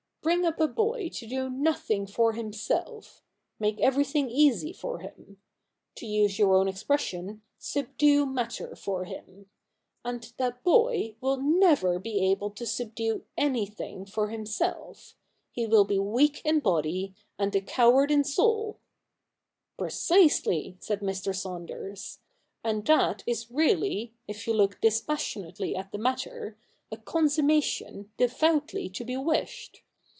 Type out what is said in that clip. ' Bring up a boy to do nothing for himself — make everything easy for him — to use your own expression, subdue matter for him — and that boy will never be able to subdue anything for himself He will be weak in body, and a coward in soul '' Precisely,' said Mr. Saunders. ' And that is really, if you look dispassionately at the matter, a consummation devoutly to be wished.